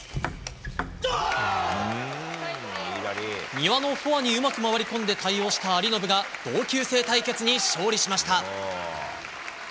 丹羽のフォアにうまく回り込んで対応した有延が同級生対決に勝利しました。